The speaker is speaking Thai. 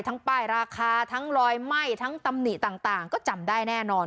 ป้ายราคาทั้งรอยไหม้ทั้งตำหนิต่างก็จำได้แน่นอน